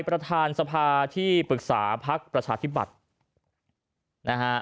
ประธานสภาที่ปรึกษาพักประชาธิบัตินะฮะ